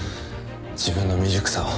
自分の未熟さを。